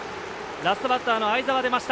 ラストバッターの相澤出ました。